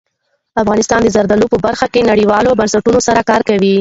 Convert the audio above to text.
افغانستان د زردالو په برخه کې نړیوالو بنسټونو سره کار کوي.